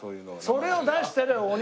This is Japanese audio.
それを出してるお肉。